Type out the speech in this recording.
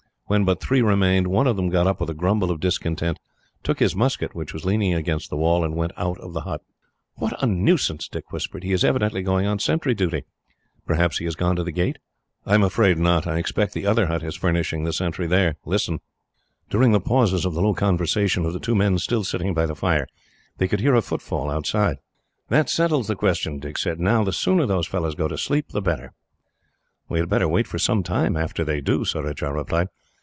When but three remained, one of them got up, with a grumble of discontent, took his musket, which was leaning against the wall, and went out of the hut. "What a nuisance!" Dick whispered. "He is evidently going on sentry duty." "Perhaps he has gone to the gate?" Surajah suggested. "I am afraid not. I expect the other hut is furnishing the sentry there. Listen!" During the pauses of the low conversation of the two men still sitting by the fire, they could hear a footfall outside. "That settles the question," Dick said. "Now, the sooner those fellows go to sleep, the better." "We had better wait for some time, after they do," Surajah replied.